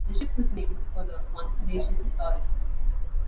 The ship was named for the constellation Taurus.